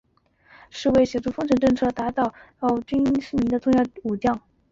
是为协助丰臣政权打倒岛津氏的重要武将。